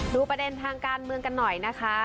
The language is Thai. ดูประเด็นทางการเมืองกันหน่อยนะคะ